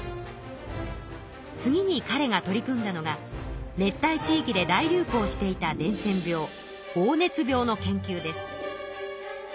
次にかれが取り組んだのが熱帯地域で大流行していた伝染病黄熱病の研究です。